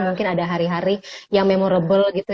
mungkin ada hari hari yang memorable gitu